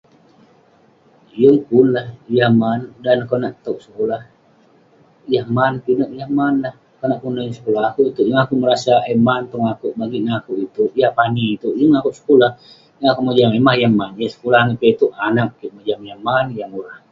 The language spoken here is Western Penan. Yeng pun lah yah man..dan neh konak towk sekulah..yah man, pinek yah man lah..konak kelunan yeng sekulah, akouk itouk yeng akouk merasa eh man tong akouk, bagik neh akouk itouk, yah pani itouk, yeng akouk sekulah..yeng akouk mojam yah mah eh man..yah sekulah ineh langit piak itouk, anag kik..mojam yah man yah murah..